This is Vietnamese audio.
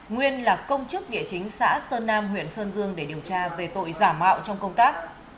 nguyên là công chức địa chính xã sơn nam huyện sơn dương để điều tra về tội giả mạo trong công tác